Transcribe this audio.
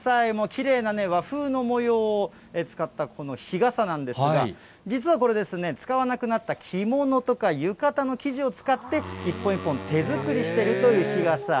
きれいな和風の模様を使ったこの日傘なんですが、実はこれ、使わなくなった着物とか浴衣の生地を使って、一本一本、手作りしているという日傘。